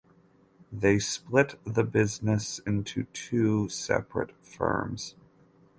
They split the business into two separate firms.